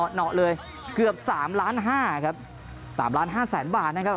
เหนาะเลยเกือบสามล้านห้าครับสามล้านห้าแสนบาทนะครับ